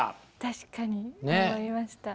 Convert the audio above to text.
確かに思いました。